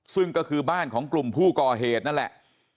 ซึ่งก็คือบ้านของกลุ่มผู้ก่อเหตุนั่นแหละ